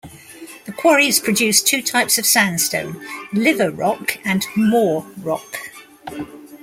The quarries produced two types of sandstone: "liver rock" and "moor rock".